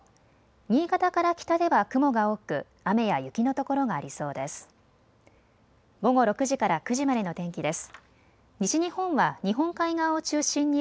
新潟から北では雲が多く雨や雪のところがありそうです。